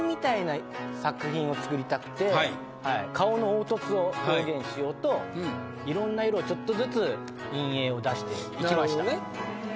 作りたくて顔の凹凸を表現しようといろんな色をちょっとずつ陰影を出していきました。